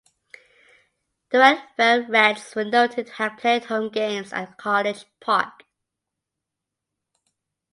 The Redfield Reds were noted to have played home games at College Park.